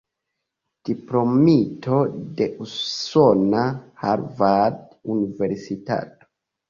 Diplomito de usona Harvard-universitato.